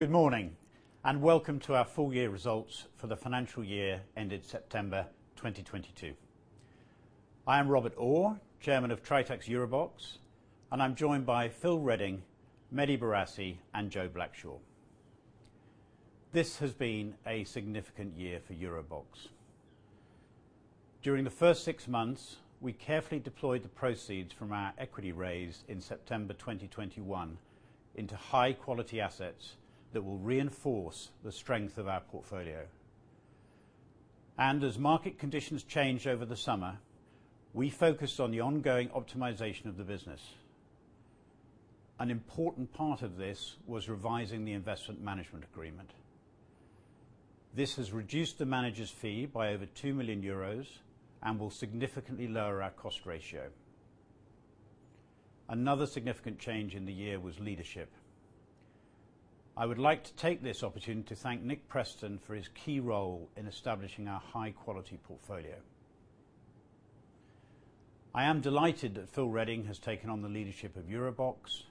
Good morning, welcome to our full year results for the financial year ended September 2022. I am Robert Orr, Chairman of Tritax EuroBox, and I'm joined by Phil Redding, Mehdi Bourassi, and Jo Blackshaw. This has been a significant year for EuroBox. During the first six months, we carefully deployed the proceeds from our equity raise in September 2021 into high-quality assets that will reinforce the strength of our portfolio. As market conditions change over the summer, we focused on the ongoing optimization of the business. An important part of this was revising the investment management agreement. This has reduced the manager's fee by over 2 million euros and will significantly lower our cost ratio. Another significant change in the year was leadership. I would like to take this opportunity to thank Nick Preston for his key role in establishing our high-quality portfolio. I am delighted that Phil Redding has taken on the leadership of EuroBox.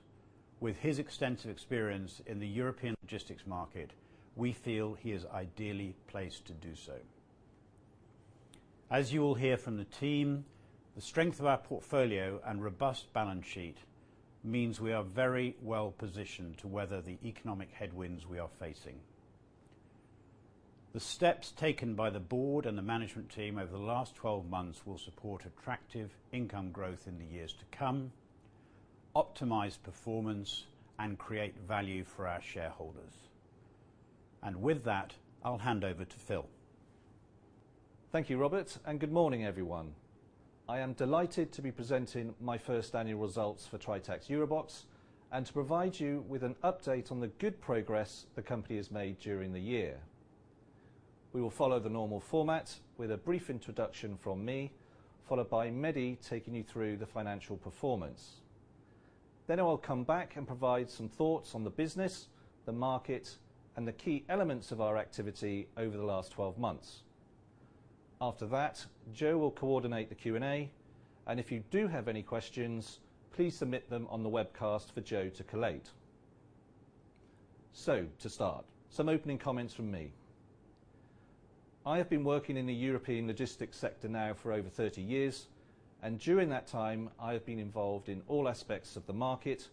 With his extensive experience in the European logistics market, we feel he is ideally placed to do so. As you will hear from the team, the strength of our portfolio and robust balance sheet means we are very well-positioned to weather the economic headwinds we are facing. The steps taken by the board and the management team over the last 12 months will support attractive income growth in the years to come, optimize performance, and create value for our shareholders. With that, I'll hand over to Phil. Thank you, Robert, good morning, everyone. I am delighted to be presenting my first annual results for Tritax EuroBox and to provide you with an update on the good progress the company has made during the year. We will follow the normal format with a brief introduction from me, followed by Mehdi taking you through the financial performance. I will come back and provide some thoughts on the business, the market, and the key elements of our activity over the last twelve months. After that, Jo will coordinate the Q&A, and if you do have any questions, please submit them on the webcast for Jo to collate. To start, some opening comments from me. I have been working in the European logistics sector now for over 30 years. During that time, I have been involved in all aspects of the market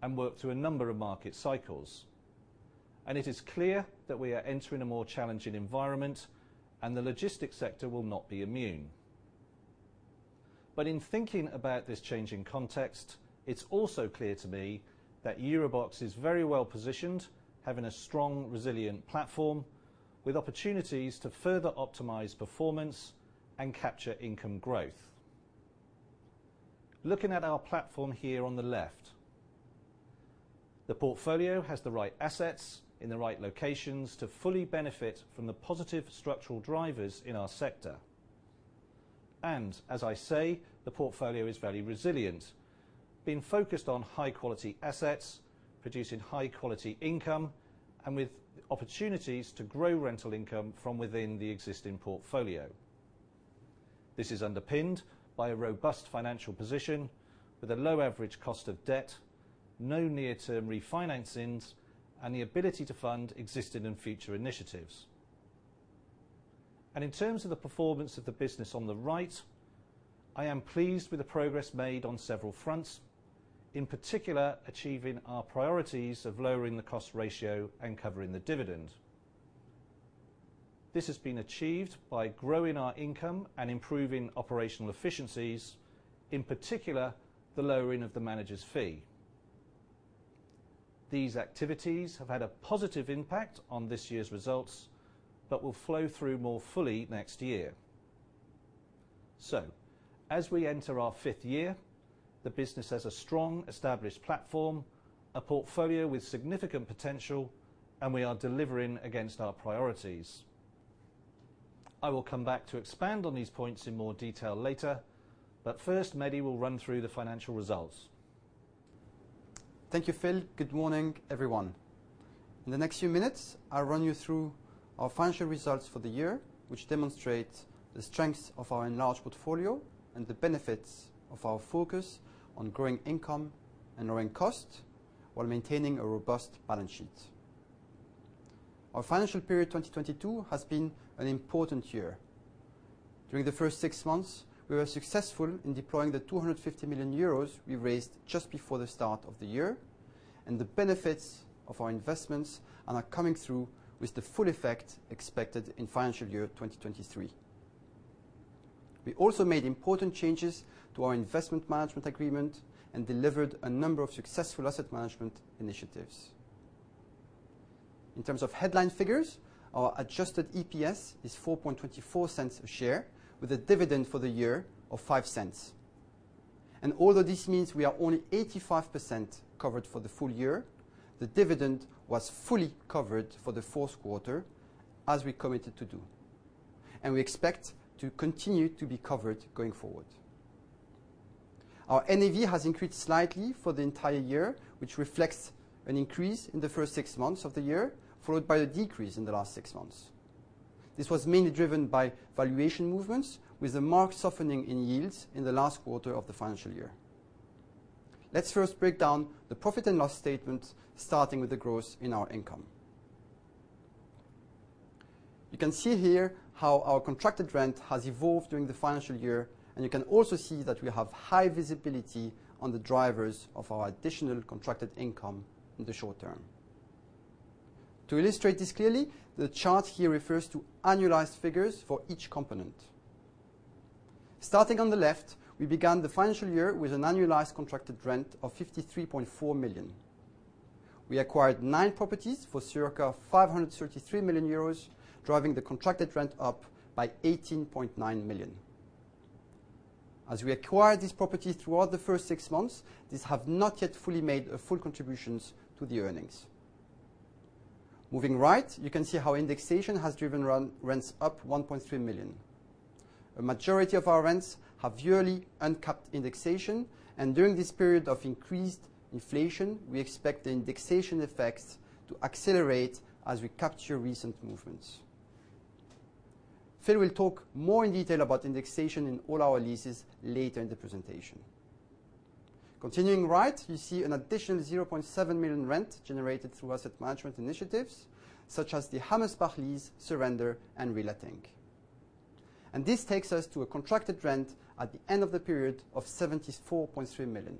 and worked through a number of market cycles. It is clear that we are entering a more challenging environment and the logistics sector will not be immune. In thinking about this changing context, it's also clear to me that EuroBox is very well-positioned, having a strong, resilient platform with opportunities to further optimize performance and capture income growth. Looking at our platform here on the left, the portfolio has the right assets in the right locations to fully benefit from the positive structural drivers in our sector. As I say, the portfolio is very resilient, being focused on high-quality assets, producing high-quality income, and with opportunities to grow rental income from within the existing portfolio. This is underpinned by a robust financial position with a low average cost of debt, no near-term refinancings, and the ability to fund existing and future initiatives. In terms of the performance of the business on the right, I am pleased with the progress made on several fronts, in particular, achieving our priorities of lowering the cost ratio and covering the dividend. This has been achieved by growing our income and improving operational efficiencies, in particular, the lowering of the manager's fee. These activities have had a positive impact on this year's results, but will flow through more fully next year. As we enter our fifth year, the business has a strong, established platform, a portfolio with significant potential, and we are delivering against our priorities. I will come back to expand on these points in more detail later, but first, Mehdi will run through the financial results. Thank you, Phil. Good morning, everyone. In the next few minutes, I'll run you through our financial results for the year, which demonstrate the strengths of our enlarged portfolio and the benefits of our focus on growing income and lowering cost while maintaining a robust balance sheet. Our financial period 2022 has been an important year. During the first six months, we were successful in deploying the 250 million euros we raised just before the start of the year, the benefits of our investments are now coming through with the full effect expected in financial year 2023. We also made important changes to our investment management agreement and delivered a number of successful asset management initiatives. In terms of headline figures, our Adjusted EPS is 0.0424 a share with a dividend for the year of 0.05. Although this means we are only 85% covered for the full year, the dividend was fully covered for the fourth quarter, as we committed to do. We expect to continue to be covered going forward. Our NAV has increased slightly for the entire year, which reflects an increase in the first six months of the year, followed by a decrease in the last six months. This was mainly driven by valuation movements with a marked softening in yields in the last quarter of the financial year. Let's first break down the profit and loss statement, starting with the growth in our income. You can see here how our contracted rent has evolved during the financial year, and you can also see that we have high visibility on the drivers of our additional contracted income in the short-term. To illustrate this clearly, the chart here refers to annualized figures for each component. Starting on the left, we began the financial year with an annualized contracted rent of 53.4 million. We acquired nine properties for circa 533 million euros, driving the contracted rent up by 18.9 million. As we acquired this property throughout the first six months, these have not yet fully made a full contributions to the earnings. Moving right, you can see how indexation has driven rents up 1.3 million. A majority of our rents have yearly uncapped indexation, and during this period of increased inflation, we expect the indexation effects to accelerate as we capture recent movements. Phil will talk more in detail about indexation in all our leases later in the presentation. Continuing right, you see an additional 0.7 million rent generated through asset management initiatives, such as the Hammersbach lease surrender and re-letting. This takes us to a contracted rent at the end of the period of 74.3 million.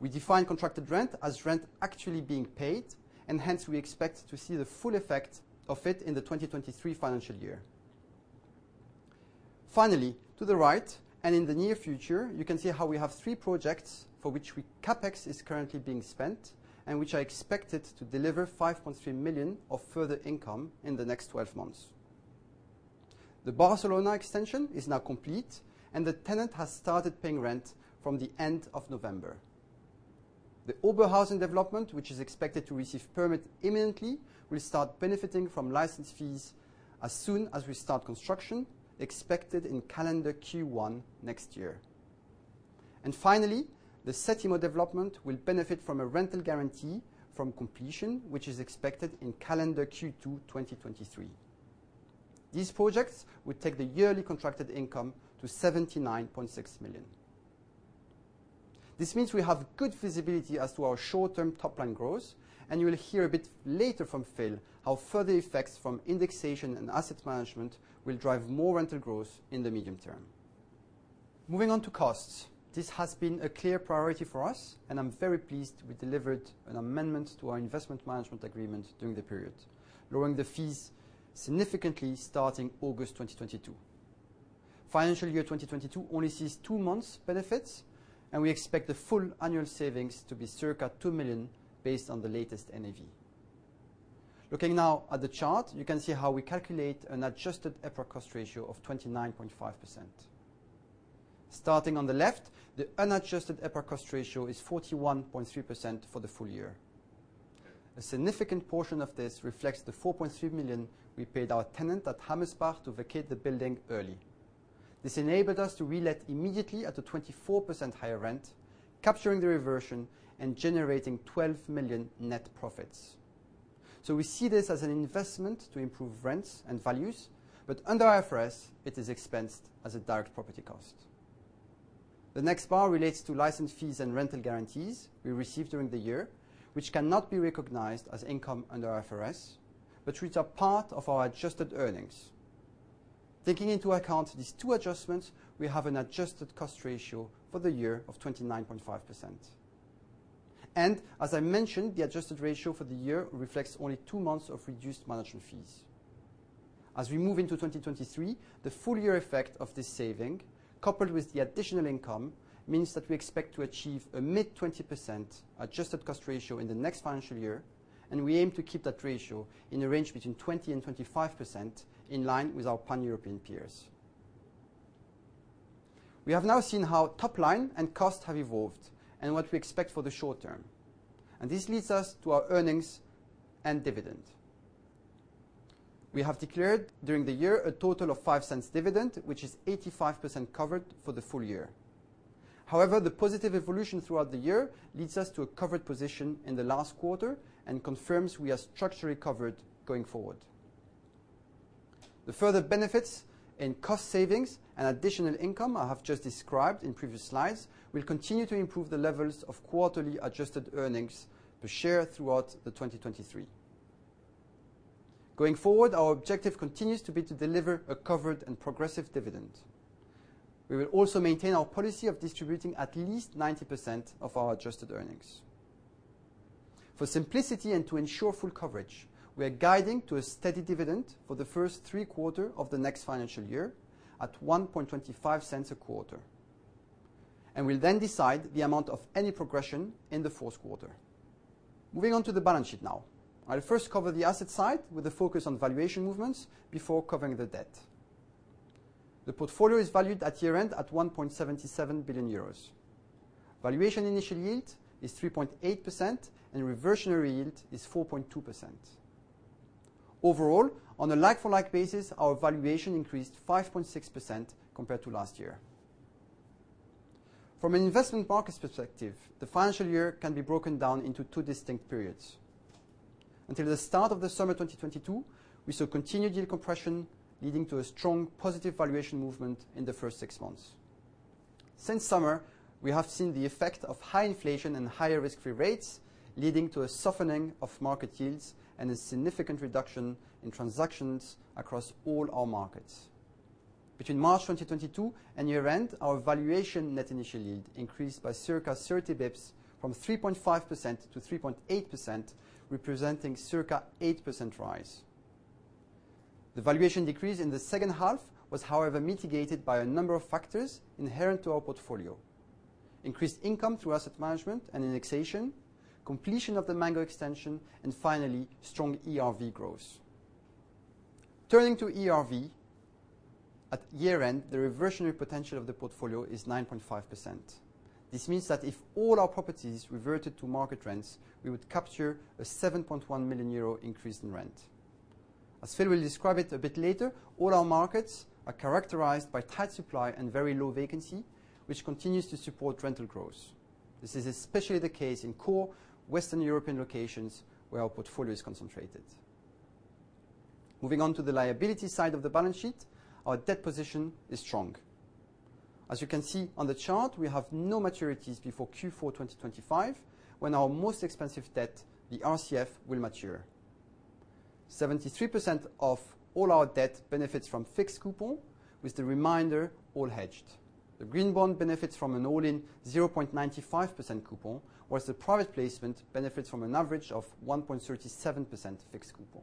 We define contracted rent as rent actually being paid, and hence we expect to see the full effect of it in the 2023 financial year. Finally, to the right, in the near future, you can see how we have three projects for which CapEx is currently being spent and which are expected to deliver 5.3 million of further income in the next 12 months. The Barcelona extension is now complete and the tenant has started paying rent from the end of November. The Oberhausen development, which is expected to receive permit imminently, will start benefiting from license fees as soon as we start construction, expected in calendar Q1 next year. Finally, the Settimo development will benefit from a rental guarantee from completion, which is expected in calendar Q2, 2023. These projects will take the yearly contracted income to 79.6 million. This means we have good visibility as to our short-term top line growth, and you will hear a bit later from Phil how further effects from indexation and asset management will drive more rental growth in the medium term. Moving on to costs. This has been a clear priority for us, and I'm very pleased we delivered an amendment to our investment management agreement during the period, lowering the fees significantly starting August 2022. Financial year 2022 only sees two months benefits. We expect the full annual savings to be circa 2 million based on the latest NAV. Looking now at the chart, you can see how we calculate an Adjusted EPRA Cost Ratio of 29.5%. Starting on the left, the unadjusted EPRA Cost Ratio is 41.3% for the full year. A significant portion of this reflects the 4.3 million we paid our tenant at Hammersbach to vacate the building early. This enabled us to re-let immediately at a 24% higher rent, capturing the reversion and generating 12 million net profits. We see this as an investment to improve rents and values, but under IFRS, it is expensed as a direct property cost. The next bar relates to license fees and rental guarantees we received during the year, which cannot be recognized as income under IFRS, but which are part of our adjusted earnings. Taking into account these two adjustments, we have an adjusted cost ratio for the year of 29.5%. As I mentioned, the adjusted ratio for the year reflects only two months of reduced management fees. As we move into 2023, the full year effect of this saving, coupled with the additional income, means that we expect to achieve a mid 20% adjusted cost ratio in the next financial year. We aim to keep that ratio in the range between 20% and 25% in line with our pan-European peers. We have now seen how top line and costs have evolved and what we expect for the short-term. This leads us to our earnings and dividend. We have declared during the year a total of 0.05 dividend, which is 85% covered for the full year. However, the positive evolution throughout the year leads us to a covered position in the last quarter and confirms we are structurally covered going forward. The further benefits in cost savings and additional income I have just described in previous slides will continue to improve the levels of quarterly Adjusted EPS throughout 2023. Going forward, our objective continues to be to deliver a covered and progressive dividend. We will also maintain our policy of distributing at least 90% of our adjusted earnings. For simplicity and to ensure full coverage, we are guiding to a steady dividend for the first three quarter of the next financial year at 0.0125 a quarter. We'll then decide the amount of any progression in the fourth quarter. Moving on to the balance sheet now. I'll first cover the asset side with a focus on valuation movements before covering the debt. The portfolio is valued at year-end at 1.77 billion euros. Valuation initial yield is 3.8% and reversionary yield is 4.2%. Overall, on a like-for-like basis, our valuation increased 5.6% compared to last year. From an investment markets perspective, the financial year can be broken down into two distinct periods. Until the start of the summer 2022, we saw continued yield compression, leading to a strong positive valuation movement in the first six months. Since summer, we have seen the effect of high inflation and higher risk-free rates, leading to a softening of market yields and a significant reduction in transactions across all our markets. Between March 2022 and year-end, our valuation net initial yield increased by circa 30 bips from 3.5%-3.8%, representing circa 8% rise. The valuation decrease in the second half was, however, mitigated by a number of factors inherent to our portfolio. Increased income through asset management and indexation, completion of the Mango extension. Finally, strong ERV growth. Turning to ERV, at year-end, the reversionary potential of the portfolio is 9.5%. This means that if all our properties reverted to market rents, we would capture a 7.1 million euro increase in rent. As Phil will describe it a bit later, all our markets are characterized by tight supply and very low vacancy, which continues to support rental growth. This is especially the case in core Western European locations where our portfolio is concentrated. Moving on to the liability side of the balance sheet, our debt position is strong. As you can see on the chart, we have no maturities before Q4 2025, when our most expensive debt, the RCF, will mature. 73% of all our debt benefits from fixed coupon, with the remainder all hedged. The green bond benefits from an all-in 0.95% coupon, whereas the private placement benefits from an average of 1.37% fixed coupon.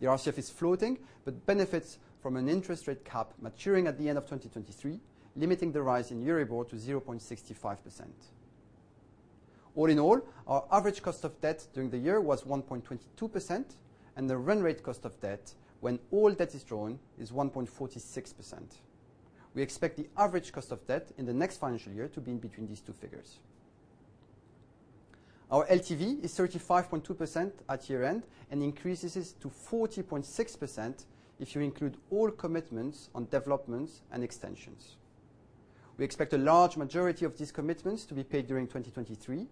The RCF is floating but benefits from an interest rate cap maturing at the end of 2023, limiting the rise in Euribor to 0.65%. All in all, our average cost of debt during the year was 1.22%, and the run rate cost of debt when all debt is drawn is 1.46%. We expect the average cost of debt in the next financial year to be in between these two figures. Our LTV is 35.2% at year-end and increases to 40.6% if you include all commitments on developments and extensions. We expect a large majority of these commitments to be paid during 2023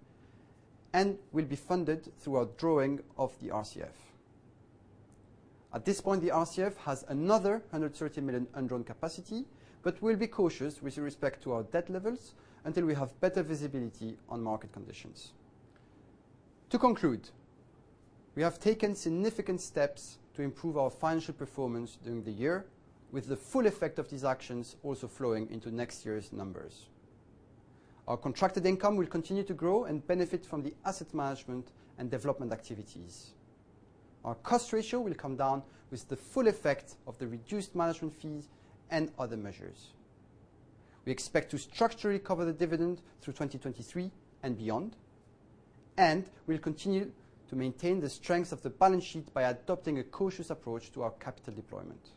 and will be funded through our drawing of the RCF. The RCF has another 130 million undrawn capacity, we'll be cautious with respect to our debt levels until we have better visibility on market conditions. We have taken significant steps to improve our financial performance during the year with the full effect of these actions also flowing into next year's numbers. Our contracted income will continue to grow and benefit from the asset management and development activities. Our cost ratio will come down with the full effect of the reduced management fees and other measures. We expect to structurally cover the dividend through 2023 and beyond, we'll continue to maintain the strength of the balance sheet by adopting a cautious approach to our capital deployment.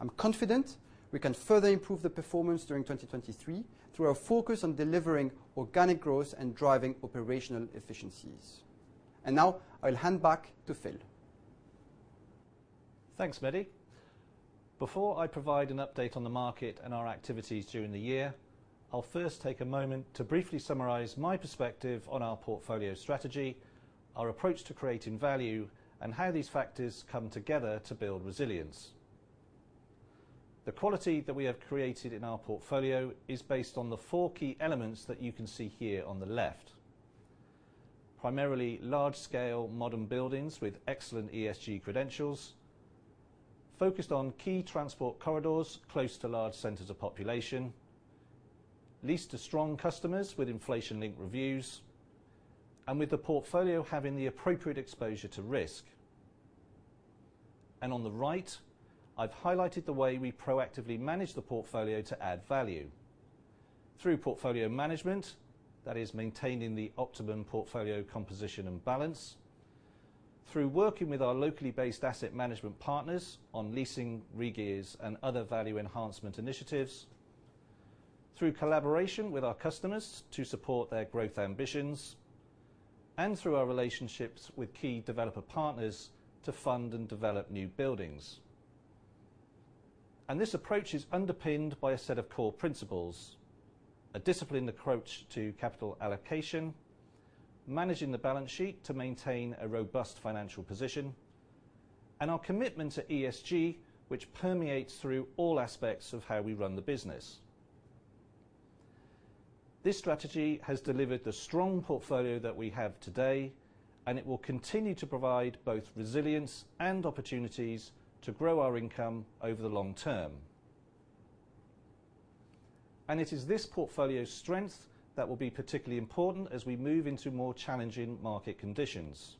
I'm confident we can further improve the performance during 2023 through our focus on delivering organic growth and driving operational efficiencies. Now I'll hand back to Phil. Thanks, Mehdi. Before I provide an update on the market and our activities during the year, I'll first take a moment to briefly summarize my perspective on our portfolio strategy, our approach to creating value, and how these factors come together to build resilience. The quality that we have created in our portfolio is based on the four key elements that you can see here on the left. Primarily large-scale modern buildings with excellent ESG credentials, focused on key transport corridors close to large centers of population, leased to strong customers with inflation-linked reviews, and with the portfolio having the appropriate exposure to risk. On the right, I've highlighted the way we proactively manage the portfolio to add value. Through portfolio management, that is maintaining the optimum portfolio composition and balance, through working with our locally based asset management partners on leasing regears and other value enhancement initiatives, through collaboration with our customers to support their growth ambitions, and through our relationships with key developer partners to fund and develop new buildings. This approach is underpinned by a set of core principles, a disciplined approach to capital allocation, managing the balance sheet to maintain a robust financial position, and our commitment to ESG, which permeates through all aspects of how we run the business. This strategy has delivered the strong portfolio that we have today, and it will continue to provide both resilience and opportunities to grow our income over the long-term. It is this portfolio strength that will be particularly important as we move into more challenging market conditions.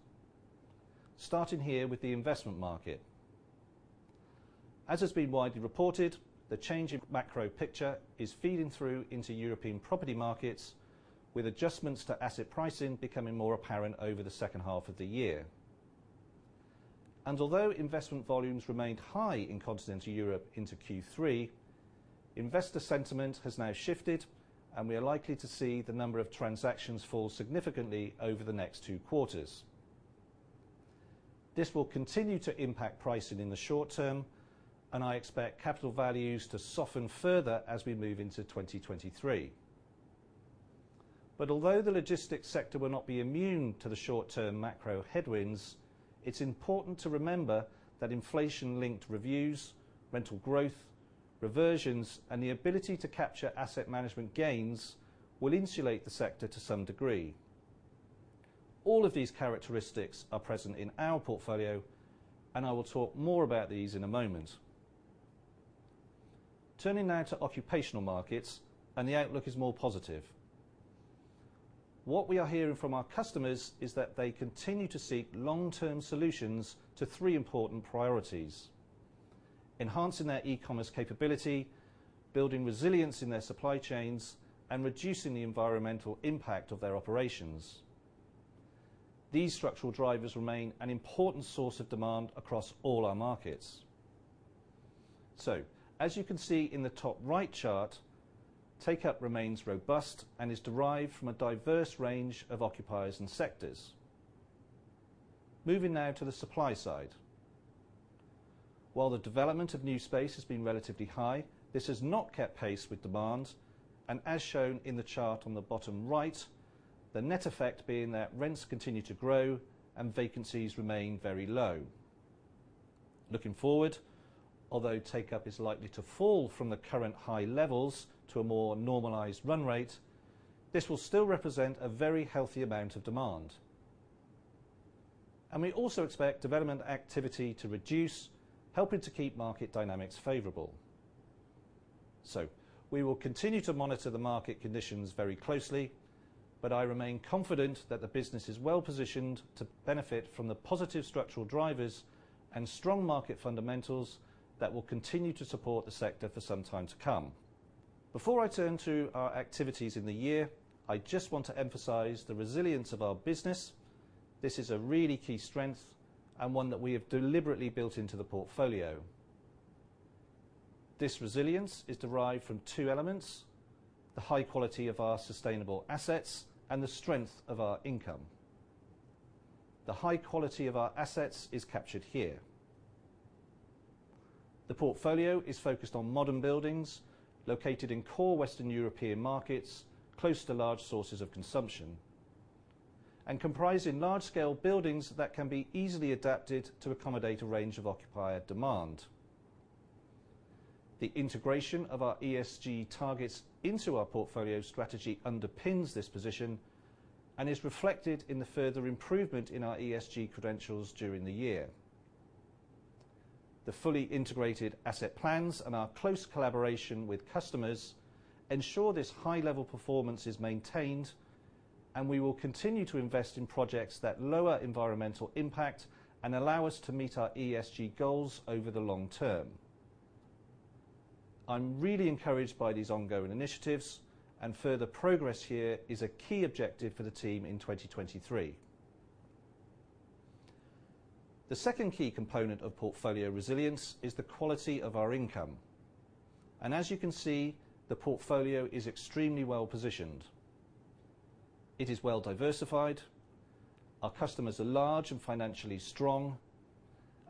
Starting here with the investment market. As has been widely reported, the change in macro picture is feeding through into European property markets with adjustments to asset pricing becoming more apparent over the second half of the year. Although investment volumes remained high in continental Europe into Q3, investor sentiment has now shifted, and we are likely to see the number of transactions fall significantly over the next two quarters. This will continue to impact pricing in the short-term, and I expect capital values to soften further as we move into 2023. Although the logistics sector will not be immune to the short-term macro headwinds, it's important to remember that inflation-linked reviews, rental growth, reversions, and the ability to capture asset management gains will insulate the sector to some degree. All of these characteristics are present in our portfolio, and I will talk more about these in a moment. Turning now to occupational markets, the outlook is more positive. What we are hearing from our customers is that they continue to seek long-term solutions to three important priorities: enhancing their e-commerce capability, building resilience in their supply chains, and reducing the environmental impact of their operations. These structural drivers remain an important source of demand across all our markets. As you can see in the top right chart, takeup remains robust and is derived from a diverse range of occupiers and sectors. Moving now to the supply side. While the development of new space has been relatively high, this has not kept pace with demand, as shown in the chart on the bottom right, the net effect being that rents continue to grow and vacancies remain very low. Looking forward, although takeup is likely to fall from the current high levels to a more normalized run rate, this will still represent a very healthy amount of demand. We also expect development activity to reduce, helping to keep market dynamics favorable. We will continue to monitor the market conditions very closely, but I remain confident that the business is well positioned to benefit from the positive structural drivers and strong market fundamentals that will continue to support the sector for some time to come. Before I turn to our activities in the year, I just want to emphasize the resilience of our business. This is a really key strength and one that we have deliberately built into the portfolio. This resilience is derived from two elements, the high quality of our sustainable assets and the strength of our income. The high quality of our assets is captured here. The portfolio is focused on modern buildings located in core Western European markets, close to large sources of consumption, and comprising large-scale buildings that can be easily adapted to accommodate a range of occupier demand. The integration of our ESG targets into our portfolio strategy underpins this position and is reflected in the further improvement in our ESG credentials during the year. The fully integrated asset plans and our close collaboration with customers ensure this high level performance is maintained, and we will continue to invest in projects that lower environmental impact and allow us to meet our ESG goals over the long-term. I'm really encouraged by these ongoing initiatives and further progress here is a key objective for the team in 2023. The second key component of portfolio resilience is the quality of our income, and as you can see, the portfolio is extremely well-positioned. It is well diversified, our customers are large and financially strong,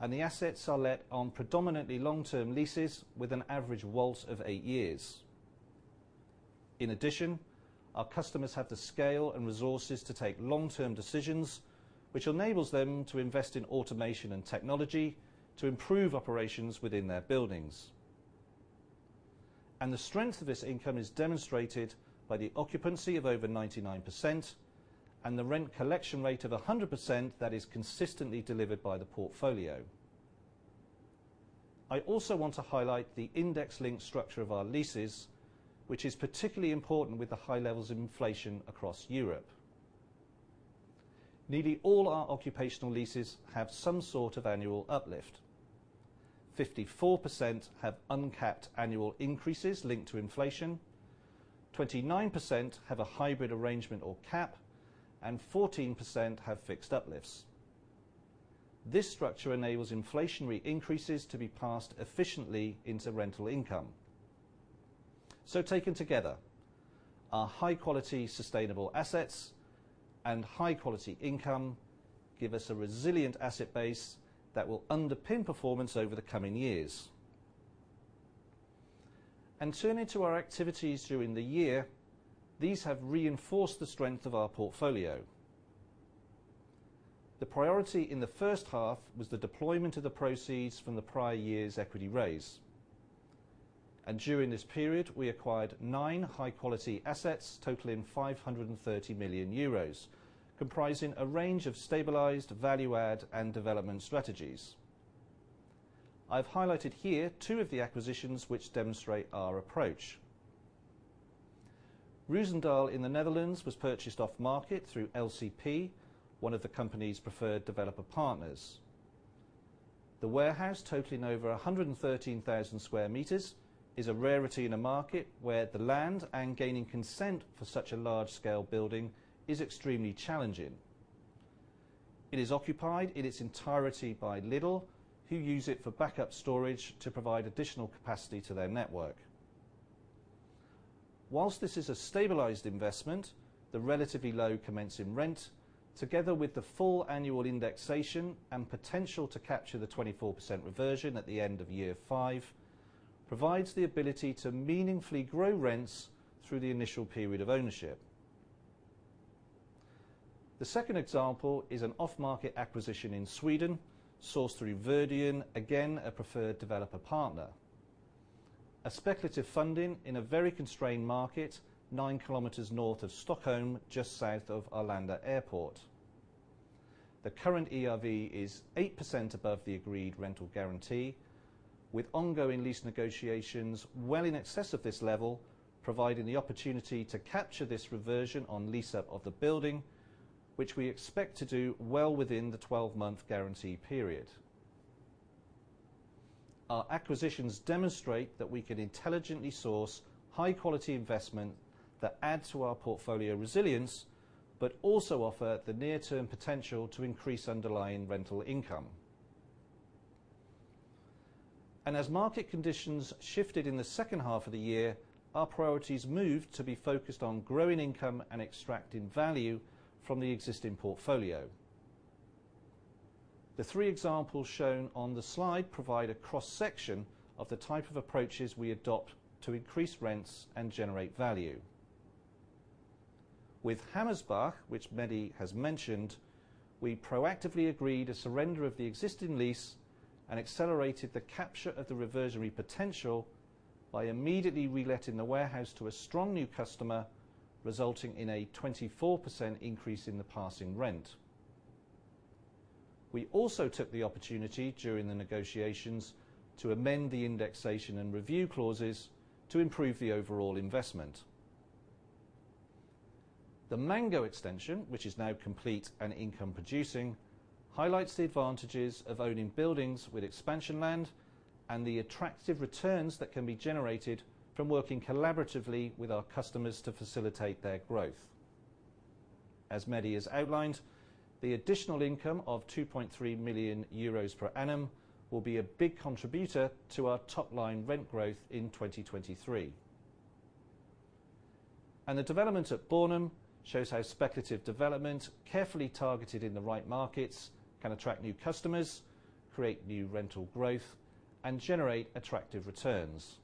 and the assets are let on predominantly long-term leases with an average WALT of eight years. In addition, our customers have the scale and resources to take long-term decisions which enables them to invest in automation and technology to improve operations within their buildings. The strength of this income is demonstrated by the occupancy of over 99% and the rent collection rate of 100% that is consistently delivered by the portfolio. I also want to highlight the index link structure of our leases, which is particularly important with the high levels of inflation across Europe. Nearly all our occupational leases have some sort of annual uplift. 54% have uncapped annual increases linked to inflation, 29% have a hybrid arrangement or cap, and 14% have fixed uplifts. This structure enables inflationary increases to be passed efficiently into rental income. Taken together, our high-quality sustainable assets and high-quality income give us a resilient asset base that will underpin performance over the coming years. Turning to our activities during the year, these have reinforced the strength of our portfolio. The priority in the first half was the deployment of the proceeds from the prior year's equity raise. During this period, we acquired nine high-quality assets totaling 530 million euros, comprising a range of stabilized value add and development strategies. I've highlighted here two of the acquisitions which demonstrate our approach. Roosendaal in the Netherlands was purchased off market through LCP, one of the company's preferred developer partners. The warehouse, totaling over 113,000 sqm, is a rarity in a market where the land and gaining consent for such a large-scale building is extremely challenging. It is occupied in its entirety by Lidl, who use it for backup storage to provide additional capacity to their network. This is a stabilized investment, the relatively low commencing rent, together with the full annual indexation and potential to capture the 24% reversion at the end of year five, provides the ability to meaningfully grow rents through the initial period of ownership. The second example is an off-market acquisition in Sweden, sourced through Verdion, again, a preferred developer partner. A speculative funding in a very constrained market, 9 km north of Stockholm, just south of Arlanda Airport. The current ERV is 8% above the agreed rental guarantee, with ongoing lease negotiations well in excess of this level, providing the opportunity to capture this reversion on lease up of the building, which we expect to do well within the 12-month guarantee period. Our acquisitions demonstrate that we can intelligently source high-quality investment that add to our portfolio resilience, but also offer the near-term potential to increase underlying rental income. As market conditions shifted in the second half of the year, our priorities moved to be focused on growing income and extracting value from the existing portfolio. The three examples shown on the slide provide a cross-section of the type of approaches we adopt to increase rents and generate value. With Hammersbach, which Mehdi has mentioned, we proactively agreed a surrender of the existing lease and accelerated the capture of the reversionary potential by immediately reletting the warehouse to a strong new customer, resulting in a 24% increase in the passing rent. We also took the opportunity during the negotiations to amend the indexation and review clauses to improve the overall investment. The Mango extension, which is now complete and income producing, highlights the advantages of owning buildings with expansion land and the attractive returns that can be generated from working collaboratively with our customers to facilitate their growth. As Mehdi has outlined, the additional income of 2.3 million euros per annum will be a big contributor to our top-line rent growth in 2023. The development at Bornem shows how speculative development, carefully targeted in the right markets, can attract new customers, create new rental growth, and generate attractive returns.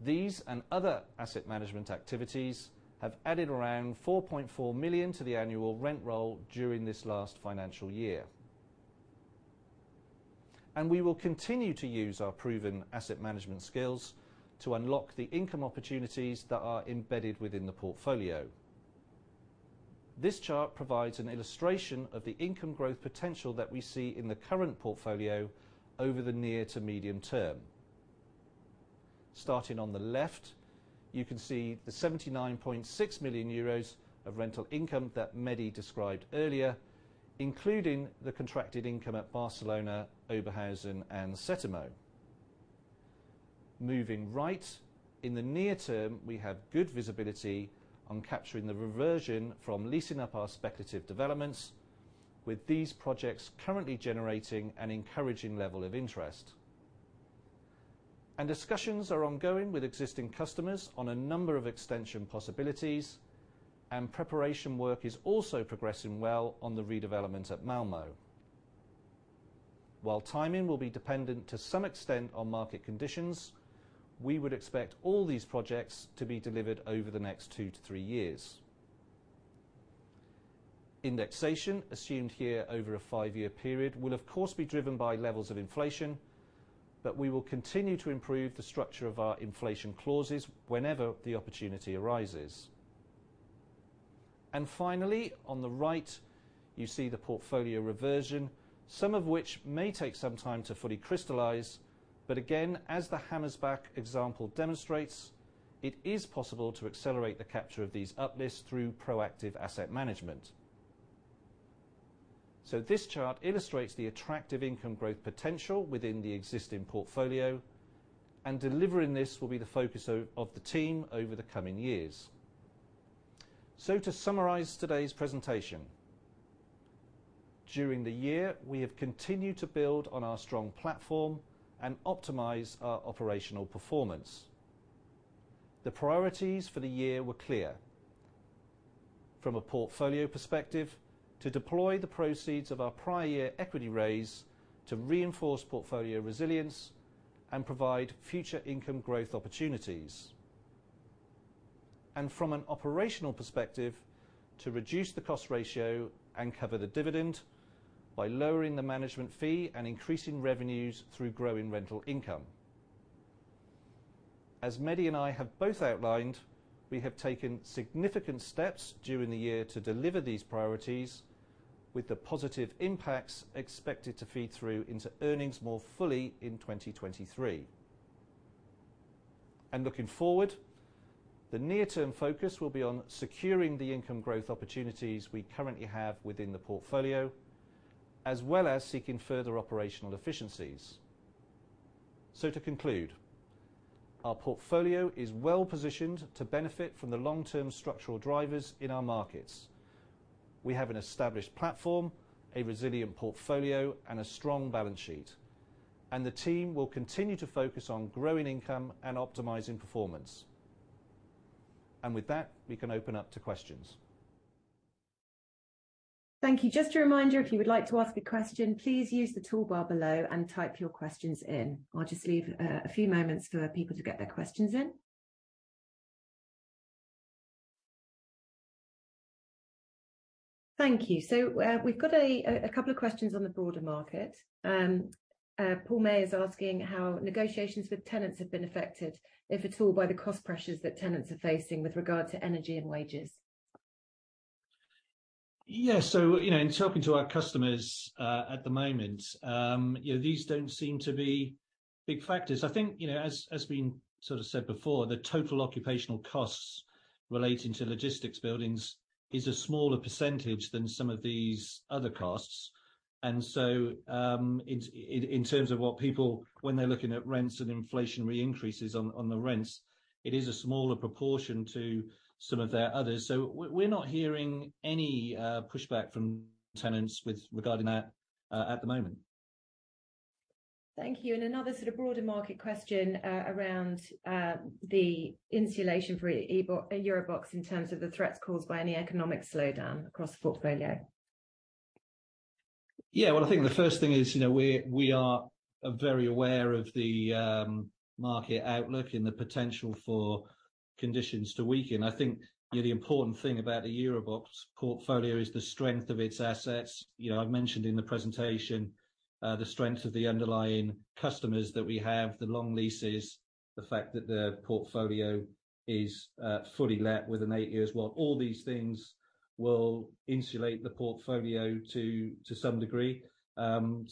These and other asset management activities have added around 4.4 million to the annual rent roll during this last financial year. We will continue to use our proven asset management skills to unlock the income opportunities that are embedded within the portfolio. This chart provides an illustration of the income growth potential that we see in the current portfolio over the near to medium term. Starting on the left, you can see the 79.6 million euros of rental income that Mehdi described earlier, including the contracted income at Barcelona, Oberhausen, and Settimo. Moving right, in the near-term, we have good visibility on capturing the reversion from leasing up our speculative developments, with these projects currently generating an encouraging level of interest. Discussions are ongoing with existing customers on a number of extension possibilities, and preparation work is also progressing well on the redevelopment at Malmö. While timing will be dependent to some extent on market conditions, we would expect all these projects to be delivered over the next two to three years. Indexation, assumed here over a five-year period, will of course be driven by levels of inflation, but we will continue to improve the structure of our inflation clauses whenever the opportunity arises. Finally, on the right, you see the portfolio reversion, some of which may take some time to fully crystallize. Again, as the Hammersbach example demonstrates, it is possible to accelerate the capture of these uplifts through proactive asset management. This chart illustrates the attractive income growth potential within the existing portfolio, and delivering this will be the focus of the team over the coming years. To summarize today's presentation, during the year, we have continued to build on our strong platform and optimize our operational performance. The priorities for the year were clear. From a portfolio perspective, to deploy the proceeds of our prior year equity raise to reinforce portfolio resilience and provide future income growth opportunities. From an operational perspective, to reduce the cost ratio and cover the dividend by lowering the management fee and increasing revenues through growing rental income. As Mehdi and I have both outlined, we have taken significant steps during the year to deliver these priorities, with the positive impacts expected to feed through into earnings more fully in 2023. Looking forward, the near-term focus will be on securing the income growth opportunities we currently have within the portfolio, as well as seeking further operational efficiencies. To conclude, our portfolio is well-positioned to benefit from the long-term structural drivers in our markets. We have an established platform, a resilient portfolio, and a strong balance sheet. The team will continue to focus on growing income and optimizing performance. With that, we can open up to questions. Thank you. Just a reminder, if you would like to ask a question, please use the toolbar below and type your questions in. I'll just leave a few moments for people to get their questions in. Thank you. We've got a couple of questions on the broader market. Paul May is asking how negotiations with tenants have been affected, if at all, by the cost pressures that tenants are facing with regard to energy and wages. Yeah. you know, in talking to our customers, at the moment, you know, these don't seem to be big factors. I think, you know, as we sort of said before, the total occupational costs relating to logistics buildings is a smaller percentage than some of these other costs. In terms of what people, when they're looking at rents and inflationary increases on the rents, it is a smaller proportion to some of their others. We're not hearing any pushback from tenants with regarding that, at the moment. Thank you. Another sort of broader market question, around the insulation for EuroBox in terms of the threats caused by any economic slowdown across the portfolio. I think the first thing is, you know, we are very aware of the market outlook and the potential for conditions to weaken. I think, you know, the important thing about the EuroBox portfolio is the strength of its assets. You know, I've mentioned in the presentation, the strength of the underlying customers that we have, the long leases, the fact that their portfolio is fully let within eight years. All these things will insulate the portfolio to some degree,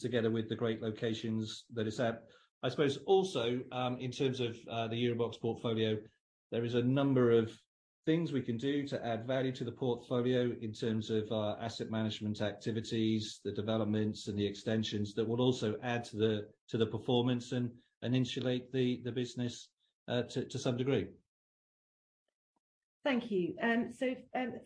together with the great locations that it's at. I suppose also, in terms of the EuroBox portfolio, there is a number of things we can do to add value to the portfolio in terms of asset management activities, the developments, and the extensions that will also add to the performance and insulate the business to some degree. Thank you.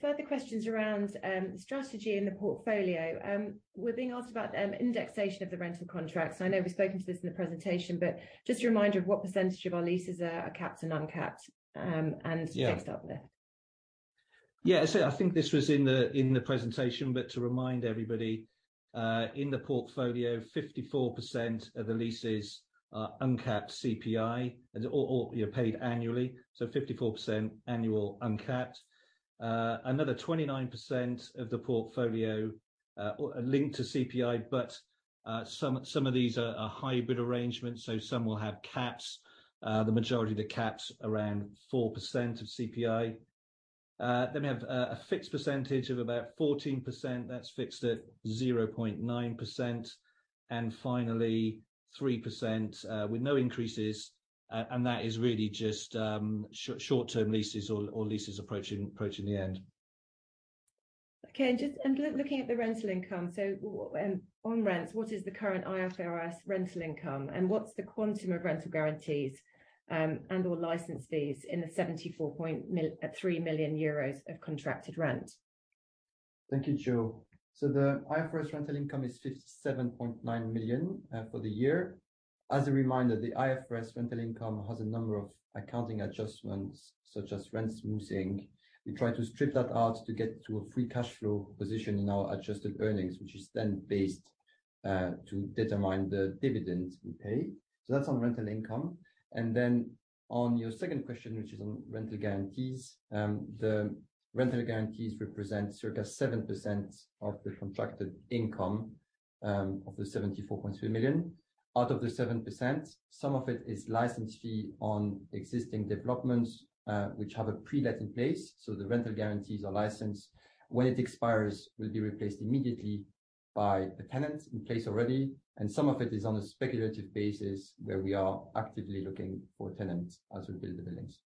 Further questions around strategy in the portfolio. We're being asked about indexation of the rental contracts. I know we've spoken to this in the presentation, but just a reminder of what percent of our leases are capped and uncapped. Yeah Fixed up there. I think this was in the presentation, but to remind everybody, in the portfolio, 54% of the leases are uncapped CPI, and all, you know, paid annually, so 54% annual uncapped. Another 29% of the portfolio are linked to CPI, but some of these are hybrid arrangements, so some will have caps. The majority of the caps around 4% of CPI. Then we have a fixed percentage of about 14% that's fixed at 0.9%. Finally, 3% with no increases, and that is really just short-term leases or leases approaching the end. Okay. Looking at the rental income, on rents, what is the current IFRS rental income and what's the quantum of rental guarantees and/or license fees in the 74.3 million euros of contracted rent? Thank you, Jo. The IFRS rental income is 57.9 million for the year. As a reminder, the IFRS rental income has a number of accounting adjustments such as rent smoothing. We try to strip that out to get to a free cash flow position in our adjusted earnings, which is then based to determine the dividend we pay. That's on rental income. On your second question, which is on rental guarantees, the rental guarantees represent circa 7% of the contracted income of 74.3 million. Out of the 7%, some of it is license fee on existing developments, which have a prelet in place, so the rental guarantees or license, when it expires, will be replaced immediately by the tenant in place already. Some of it is on a speculative basis, where we are actively looking for tenants as we build the buildings.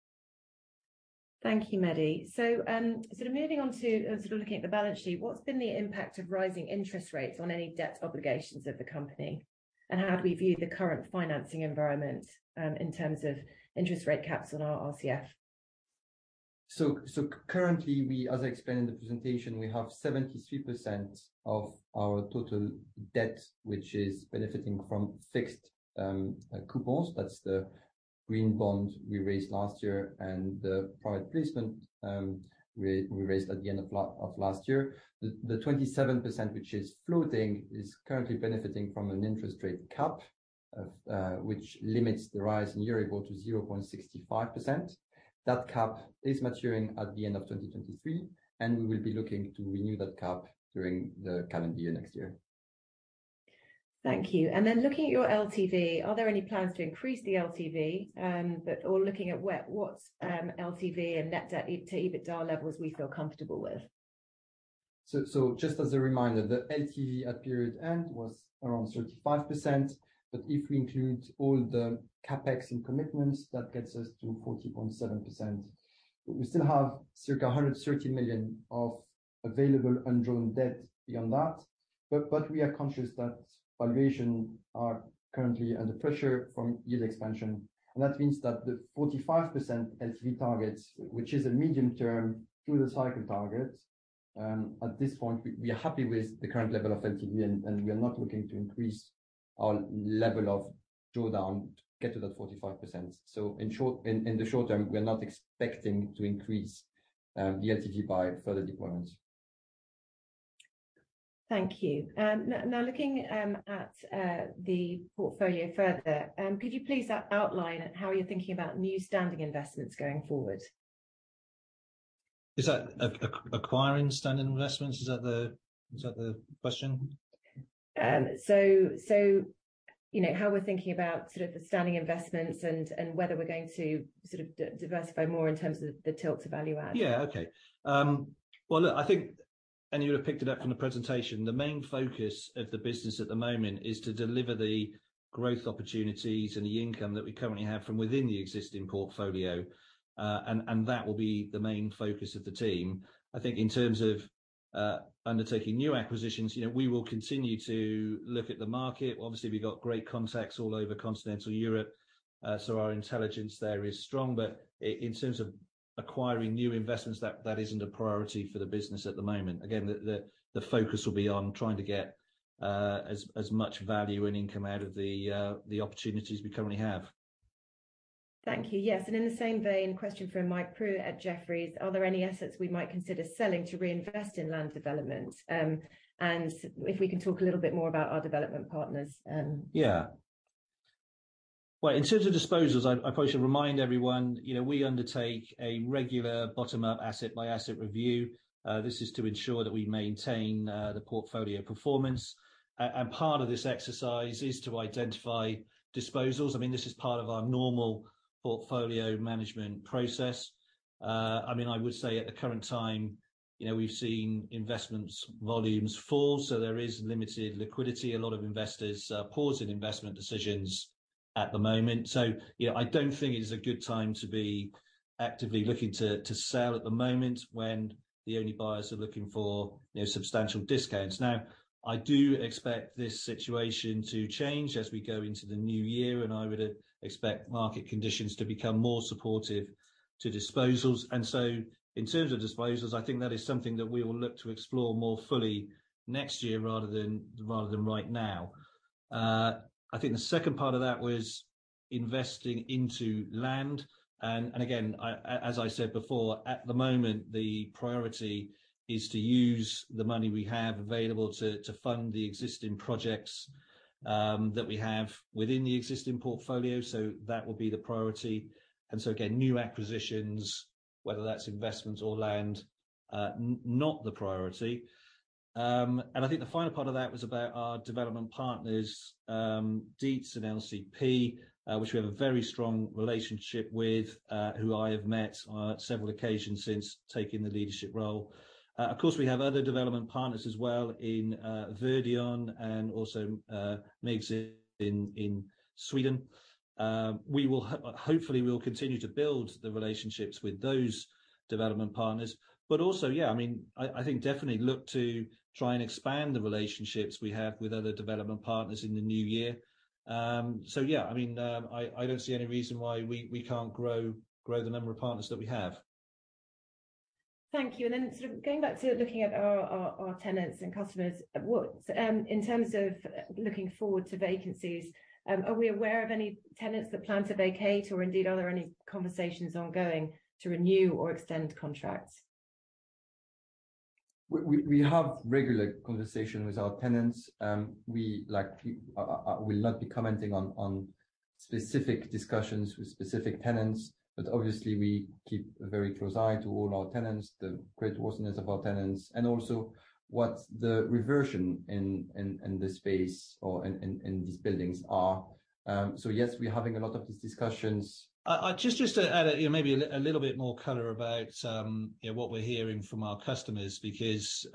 Thank you, Mehdi. Sort of moving on to sort of looking at the balance sheet, what's been the impact of rising interest rates on any debts obligations of the company? How do we view the current financing environment, in terms of interest rate caps on our RCF? Currently, we, as I explained in the presentation, we have 73% of our total debt, which is benefiting from fixed coupons. That's the green bond we raised last year and the private placement we raised at the end of last year. The 27%, which is floating, is currently benefiting from an interest rate cap which limits the rise in Euribor to 0.65%. That cap is maturing at the end of 2023. We will be looking to renew that cap during the current year next year. Thank you. Looking at your LTV, are there any plans to increase the LTV, or looking at what LTV and net debt to EBITDA levels we feel comfortable with? Just as a reminder, the LTV at period end was around 35%, if we include all the CapEx and commitments, that gets us to 40.7%. We still have circa 130 million of available undrawn debt beyond that. We are conscious that valuation are currently under pressure from yield expansion, and that means that the 45% LTV targets, which is a medium term through the cycle targets. At this point, we are happy with the current level of LTV and we are not looking to increase our level of drawdown to get to that 45%. In short, in the short-term, we are not expecting to increase the LTV by further deployments. Thank you. Now looking at the portfolio further, could you please outline how you're thinking about new standing investments going forward? Is that acquiring standing investments? Is that the, is that the question? You know, how we're thinking about sort of the standing investments and whether we're going to sort of diversify more in terms of the tilt to value add. Yeah. Okay. Well, look, I think, and you would've picked it up from the presentation, the main focus of the business at the moment is to deliver the growth opportunities and the income that we currently have from within the existing portfolio. That will be the main focus of the team. I think in terms of undertaking new acquisitions, you know, we will continue to look at the market. Obviously, we've got great contacts all over continental Europe, so our intelligence there is strong. In terms of acquiring new investments, that isn't a priority for the business at the moment. Again, the focus will be on trying to get as much value and income out of the opportunities we currently have. Thank you. Yes. In the same vein, question from Mike Prew at Jefferies, are there any assets we might consider selling to reinvest in land development? If we can talk a little bit more about our development partners. Yeah. Well, in terms of disposals, I probably should remind everyone, you know, we undertake a regular bottom-up asset-by-asset review. This is to ensure that we maintain the portfolio performance. Part of this exercise is to identify disposals. I mean, this is part of our normal portfolio management process. I mean, I would say at the current time, you know, we've seen investments volumes fall, so there is limited liquidity. A lot of investors are pausing investment decisions at the moment. I don't think it's a good time to be actively looking to sell at the moment when the only buyers are looking for, you know, substantial discounts. Now, I do expect this situation to change as we go into the new year, and I would expect market conditions to become more supportive to disposals. In terms of disposals, I think that is something that we will look to explore more fully next year rather than right now. I think the second part of that was investing into land. Again, as I said before, at the moment, the priority is to use the money we have available to fund the existing projects that we have within the existing portfolio. That will be the priority. Again, new acquisitions, whether that's investments or land, not the priority. And I think the final part of that was about our development partners, Dietz and LCP, which we have a very strong relationship with, who I have met on several occasions since taking the leadership role. Of course, we have other development partners as well in Verdion and also MIGS in Sweden. Hopefully we'll continue to build the relationships with those development partners. Also, yeah, I mean, I think definitely look to try and expand the relationships we have with other development partners in the new year. Yeah, I mean, I don't see any reason why we can't grow the number of partners that we have. Thank you. Sort of going back to looking at our tenants and customers, what, in terms of looking forward to vacancies, are we aware of any tenants that plan to vacate or indeed, are there any conversations ongoing to renew or extend contracts? We have regular conversation with our tenants. We, like, will not be commenting on specific discussions with specific tenants, but obviously we keep a very close eye to all our tenants, the creditworthiness of our tenants, and also what the reversion in the space or in these buildings are. Yes, we're having a lot of these discussions. Just to add, you know, maybe a little bit more color about, you know, what we're hearing from our customers, because,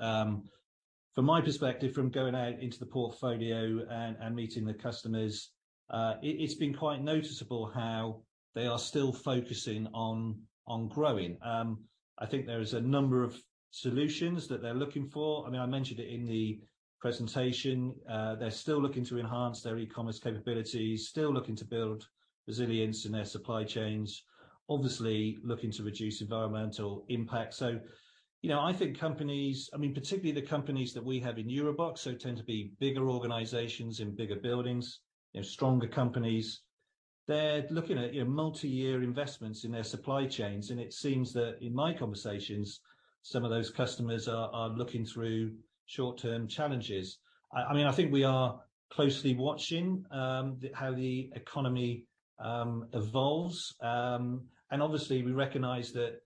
from my perspective from going out into the portfolio and meeting the customers, it's been quite noticeable how they are still focusing on growing. I think there is a number of solutions that they're looking for. I mean, I mentioned it in the presentation. They're still looking to enhance their e-commerce capabilities, still looking to build resilience in their supply chains, obviously looking to reduce environmental impact. you know, I think companies, I mean, particularly the companies that we have in EuroBox, so tend to be bigger organizations in bigger buildings, you know, stronger companies. They're looking at, you know, multi-year investments in their supply chains. It seems that in my conversations, some of those customers are looking through short-term challenges. I mean, I think we are closely watching the how the economy evolves. Obviously we recognize that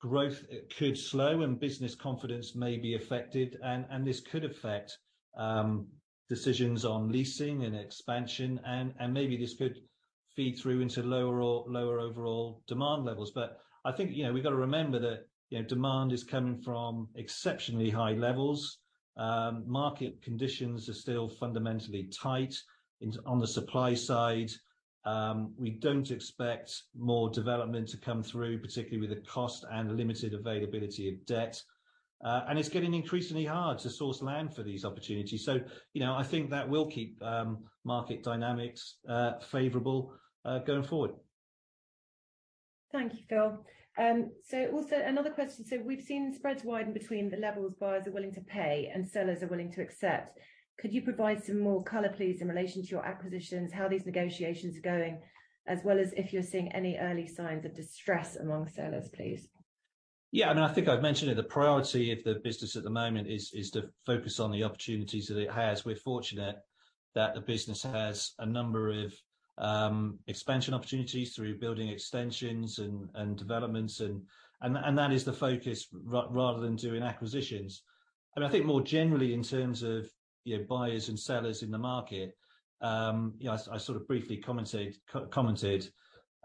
growth could slow and business confidence may be affected and this could affect decisions on leasing and expansion and maybe this could feed through into lower overall demand levels. I think, you know, we've gotta remember that, you know, demand is coming from exceptionally high levels. Market conditions are still fundamentally tight. On the supply side, we don't expect more development to come through, particularly with the cost and limited availability of debt. It's getting increasingly hard to source land for these opportunities. You know, I think that will keep market dynamics favorable going forward. Thank you, Phil. Also another question. We've seen spreads widen between the levels buyers are willing to pay and sellers are willing to accept. Could you provide some more color, please, in relation to your acquisitions, how these negotiations are going, as well as if you're seeing any early signs of distress among sellers, please? Yeah. I think I've mentioned it, the priority of the business at the moment is to focus on the opportunities that it has. We're fortunate that the business has a number of expansion opportunities through building extensions and developments and that is the focus rather than doing acquisitions. I think more generally in terms of, you know, buyers and sellers in the market, you know, I sort of briefly commented.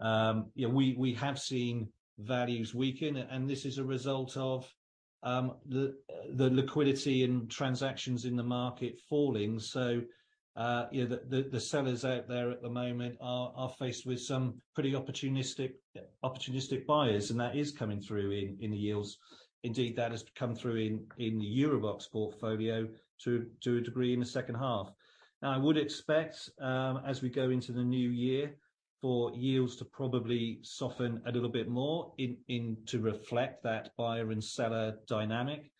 You know, we have seen values weaken, and this is a result of the liquidity in transactions in the market falling. You know, the sellers out there at the moment are faced with some pretty opportunistic buyers, and that is coming through in the yields. Indeed, that has come through in the EuroBox portfolio to a degree in the second half. I would expect as we go into the new year for yields to probably soften a little bit more to reflect that buyer and seller dynamic.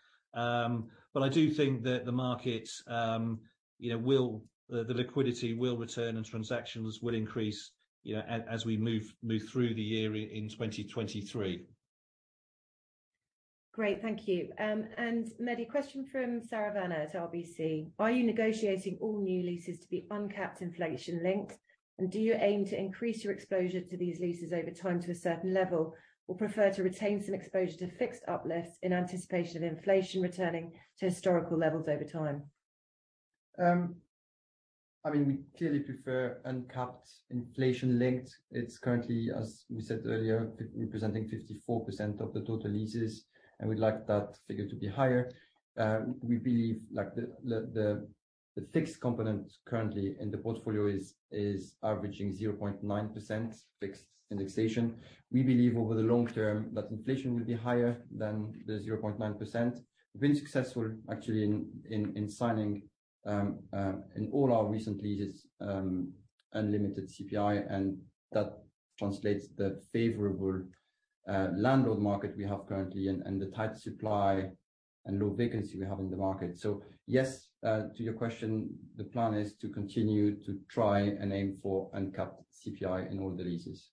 I do think that the market, you know, liquidity will return and transactions will increase, you know, as we move through the year in 2023. Great. Thank you. Mehdi, question from Saravana at RBC: Are you negotiating all new leases to be uncapped inflation linked? Do you aim to increase your exposure to these leases over time to a certain level, or prefer to retain some exposure to fixed uplifts in anticipation of inflation returning to historical levels over time? I mean, we clearly prefer uncapped inflation linked. It's currently, as we said earlier, representing 54% of the total leases, and we'd like that figure to be higher. We believe like the fixed component currently in the portfolio is averaging 0.9% fixed indexation. We believe over the long-term that inflation will be higher than the 0.9%. We've been successful actually in signing in all our recent leases, unlimited CPI, and that translates the favorable landlord market we have currently and the tight supply and low vacancy we have in the market. Yes, to your question, the plan is to continue to try and aim for uncapped CPI in all the leases.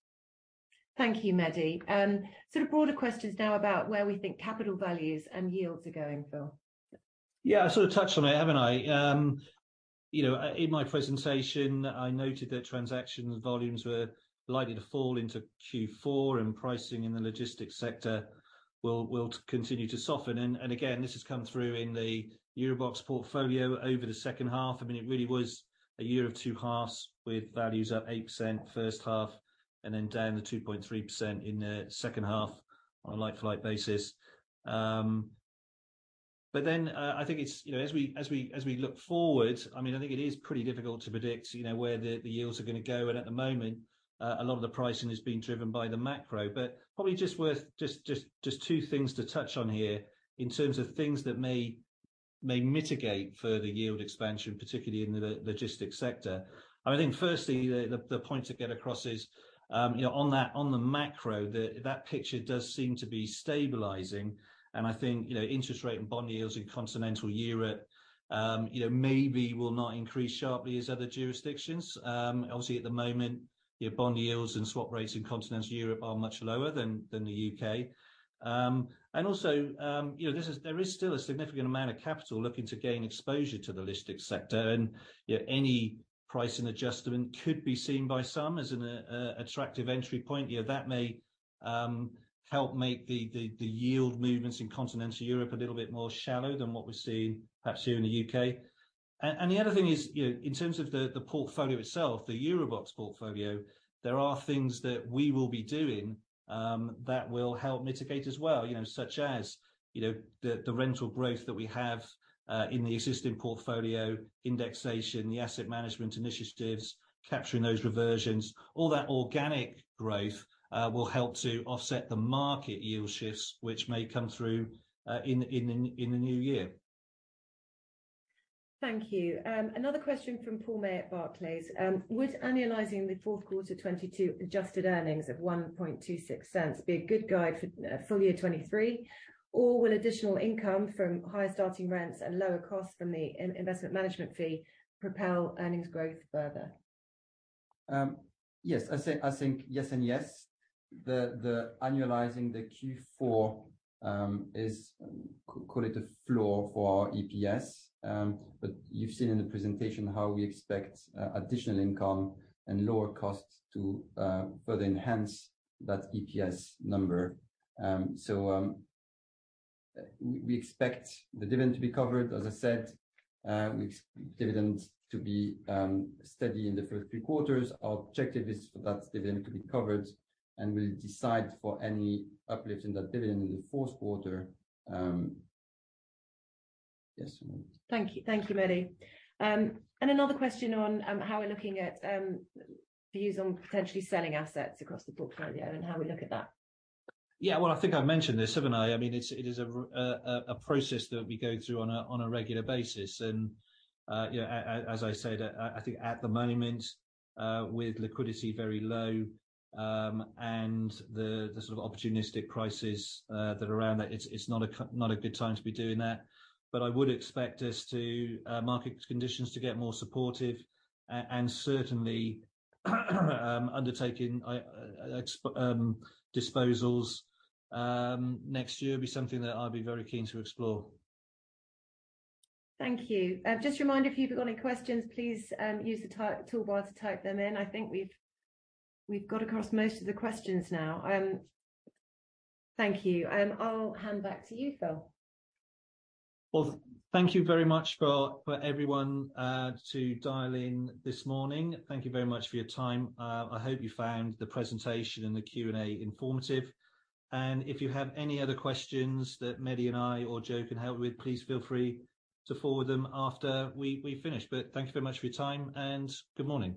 Thank you, Mehdi. Sort of broader questions now about where we think capital values and yields are going, Phil. Yeah, I sort of touched on it, haven't I? You know, in my presentation, I noted that transaction volumes were likely to fall into Q4, and pricing in the logistics sector will continue to soften. Again, this has come through in the EuroBox portfolio over the second half. I mean, it really was a year of two halves, with values up 8% first half and then down to 2.3% in the second half on a like-for-like basis. I think it's, you know, as we look forward, I mean, I think it is pretty difficult to predict, you know, where the yields are gonna go, and at the moment, a lot of the pricing is being driven by the macro. Probably just worth two things to touch on here in terms of things that may mitigate further yield expansion, particularly in the logistics sector. I think firstly, the point to get across is, you know, on that, on the macro, that picture does seem to be stabilizing. I think, you know, interest rate and bond yields in Continental Europe, you know, maybe will not increase sharply as other jurisdictions. Obviously at the moment, your bond yields and swap rates in Continental Europe are much lower than the U.K. And also, you know, there is still a significant amount of capital looking to gain exposure to the logistics sector. You know, any pricing adjustment could be seen by some as an attractive entry point. You know, that may help make the, the yield movements in Continental Europe a little bit more shallow than what we're seeing perhaps here in the U.K. The other thing is, you know, in terms of the portfolio itself, the EuroBox portfolio, there are things that we will be doing that will help mitigate as well. You know, such as, you know, the rental growth that we have in the existing portfolio, indexation, the asset management initiatives, capturing those reversions. All that organic growth will help to offset the market yield shifts, which may come through in the, in the, in the new year. Thank you. Another question from Paul May at Barclays. Would annualizing the fourth quarter 2022 adjusted earnings of 0.0126 be a good guide for full year 2023, or will additional income from higher starting rents and lower costs from the investment management fee propel earnings growth further? Yes. I say, I think yes and yes. The annualizing the Q4 is, call it a floor for our EPS. You've seen in the presentation how we expect additional income and lower costs to further enhance that EPS number. We expect the dividend to be covered. As I said, we expect dividend to be steady in the first three quarters. Our objective is for that dividend to be covered, and we'll decide for any uplift in that dividend in the fourth quarter. Yes. Thank you. Thank you, Mehdi. Another question on, how we're looking at, views on potentially selling assets across the portfolio and how we look at that. Yeah. Well, I think I've mentioned this, haven't I? I mean, it's, it is a process that we go through on a regular basis. You know, as I said, I think at the moment, with liquidity very low, and the sort of opportunistic prices that are around that, it's not a good time to be doing that. I would expect us to market conditions to get more supportive and certainly undertaking disposals next year would be something that I'd be very keen to explore. Thank you. Just a reminder, if you've got any questions, please use the toolbar to type them in. I think we've got across most of the questions now. Thank you, and I'll hand back to you, Phil. Well, thank you very much for everyone to dial in this morning. Thank you very much for your time. I hope you found the presentation and the Q&A informative. If you have any other questions that Mehdi and I or Jo can help with, please feel free to forward them after we finish. Thank you very much for your time, and good morning.